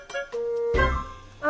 あ！